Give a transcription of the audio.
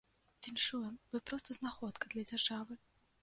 Віншуем, вы проста знаходка для дзяржавы.